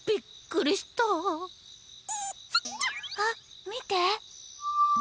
あっみて。